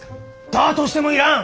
だとしても要らん！